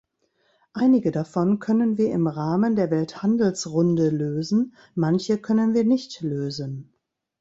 Einige davon können wir im Rahmen der Welthandelsrunde lösen, manche können wir nicht lösen.